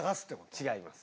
違います。